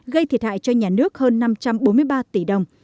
gây thiệt hại cho nhà nước hơn năm năm